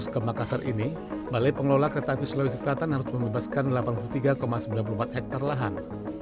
ke makassar ini balai pengelola kereta api sulawesi selatan harus membebaskan delapan puluh tiga sembilan puluh empat hektare lahan